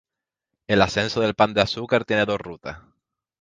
El ascenso del Pan de Azúcar tiene dos rutas.